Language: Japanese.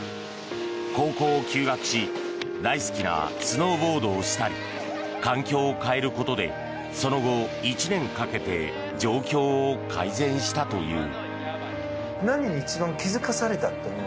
高校を休学し大好きなスノーボードをしたり環境を変えることでその後、１年かけて状況を改善したという。